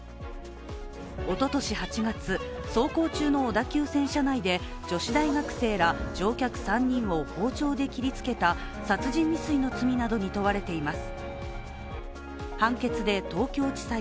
おととし、８月走行中の小田急線車内で女子大学生ら乗客３人を包丁で切りつけた殺人未遂の罪などに問われています。